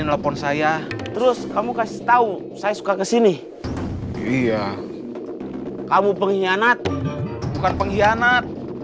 telepon saya terus kamu kasih tahu saya suka kesini iya kamu pengkhianat bukan pengkhianat